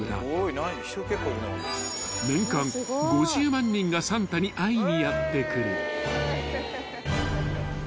［年間５０万人がサンタに会いにやって来る］